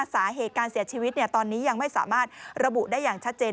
สาเหตุการเสียชีวิตตอนนี้ยังไม่สามารถระบุได้อย่างชัดเจน